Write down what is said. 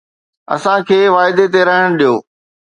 اسان کي وعدي تي رهڻ ڏيو